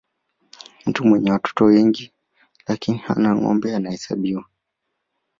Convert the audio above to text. mtu mwenye watoto wengi lakini hana ngombe anahesabiwa